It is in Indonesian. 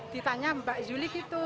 ditanya mbak zuli gitu